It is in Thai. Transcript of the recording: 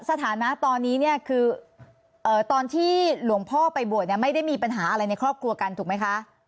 สถานะตอนนี้เนี่ยคือตอนที่หลวงพ่อไปบวชเนี่ยไม่ได้มีปัญหาอะไรในครอบครัวกันถูกไหมคะ